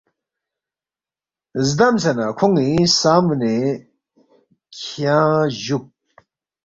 زدمسے نہ کھون٘ی سامنے کھیانگ جُوک